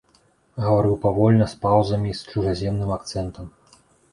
Гаварыў павольна, з паўзамі, з чужаземным акцэнтам.